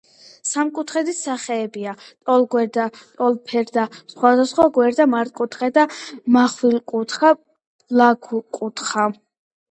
სამკუთხედის სახეებია: ტოლგვერდა, ტოლფერდა, სხვადასხვა გვერდა, მართკუთხა, მახვილკუთხა, ბლაგვკუთხა